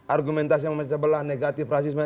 argumentasi yang memecah belah negatif rasisme